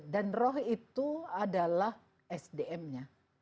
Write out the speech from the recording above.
dan roh itu adalah sdm nya